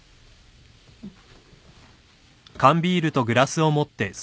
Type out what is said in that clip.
うん。